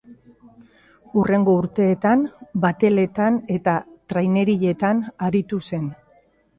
Hurrengo urteetan bateletan eta trainerilletan aritu zen.